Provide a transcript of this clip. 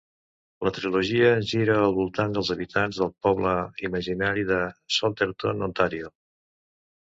La trilogia gira al voltant dels habitants del poble imaginari de Salterton, Ontario.